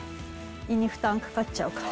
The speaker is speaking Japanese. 胃に負担かかっちゃうから。